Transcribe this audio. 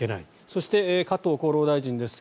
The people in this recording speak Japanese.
そして、加藤厚労大臣です。